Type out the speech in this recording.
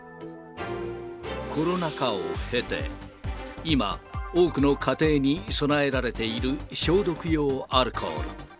コロナ禍を経て、今、多くの家庭に備えられている消毒用アルコール。